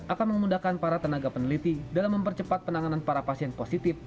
akan memudahkan para tenaga peneliti dalam mempercepat penanganan para pasien positif